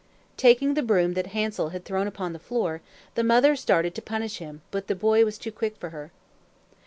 Taking the broom that Hansel had thrown upon the floor, the mother started to punish him, but the boy was too quick for her.